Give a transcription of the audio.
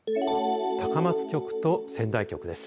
高松局と仙台局です。